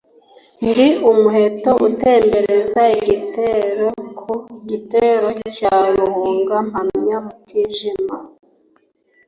Ndi umuheto utembereza igitero, ku gitero cya Ruhunga mpamya Mutijima.